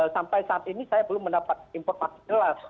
sampai saat ini saya belum mendapat informasi jelas